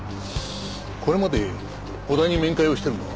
これまで小田に面会をしてるのは？